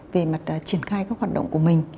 về mặt triển khai các hoạt động của mình